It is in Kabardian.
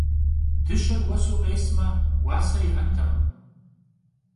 Dışer vuesu khêsme, vuase yi'entekhım.